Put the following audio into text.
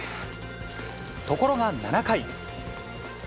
ところが７回。